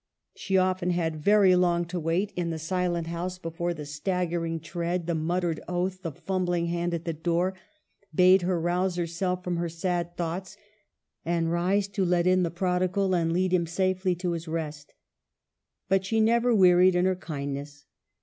She often had very long to wait in the silent house before the stag gering tread, the muttered oath, the fumbling hand at the door, bade her rouse herself from her sad thoughts and rise to let in the prodigal, and lead him in safety to his rest. But she never wearied in her kindness.